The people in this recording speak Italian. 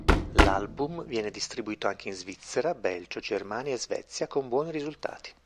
L'album viene distribuito anche in Svizzera, Belgio, Germania e Svezia con buoni risultati.